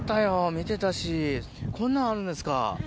見てたしこんなんあるんですか。